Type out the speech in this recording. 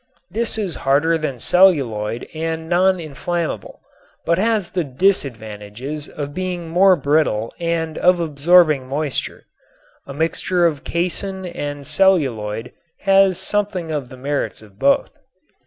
This is harder than celluloid and non inflammable, but has the disadvantages of being more brittle and of absorbing moisture. A mixture of casein and celluloid has something of the merits of both.